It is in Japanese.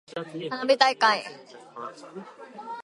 花火大会。